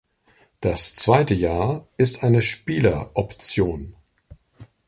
Das zweite Jahr ist eine Spieler-Option.